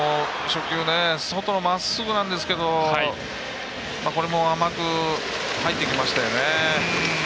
初球外のまっすぐなんですけどこれも甘く入ってきましたよね。